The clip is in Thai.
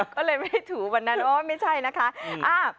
ก็เลยไม่ได้ถูกเหมือนนั้นว่าไม่ใช่นะคะ